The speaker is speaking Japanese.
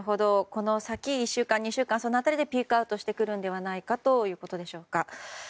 この先１週間、２週間その辺りでピークアウトしてくるのではないかということでしょうか。